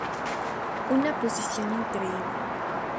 Una posición increíble.